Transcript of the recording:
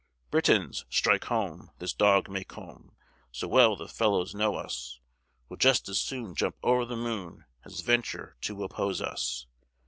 "Britons, strike home! this dog Macomb So well the fellow knows us Will just as soon jump o'er the moon As venture to oppose us.